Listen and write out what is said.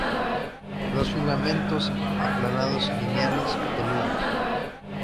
Los filamentos aplanados, lineales, peludos.